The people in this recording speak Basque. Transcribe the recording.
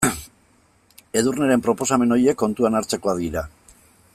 Edurneren proposamen horiek kontuan hartzekoak dira.